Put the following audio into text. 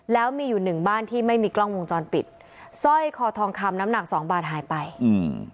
แล้วมีอยู่หนึ่งบ้านที่ไม่มีกล้องวงจรปิดสร้อยคอทองคำน้ำหนักสองบาทหายไปอืม